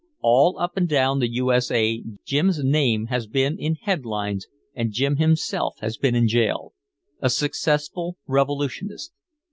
All up and down the U. S. A. Jim's name has been in headlines and Jim himself has been in jail. A successful revolutionist.